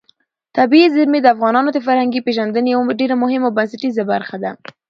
طبیعي زیرمې د افغانانو د فرهنګي پیژندنې یوه ډېره مهمه او بنسټیزه برخه ده.